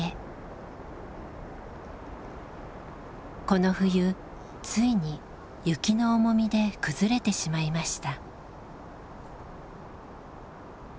この冬ついに雪の重みで崩れてしまいました。